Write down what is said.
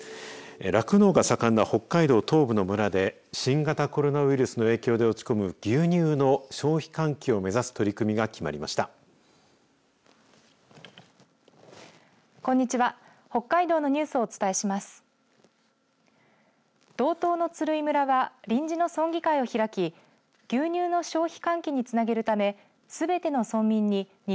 酪農が盛んな北海道東部の村で新型コロナウイルスの影響で落ち込む牛乳の消費喚起を目指す取り組みが決まりました。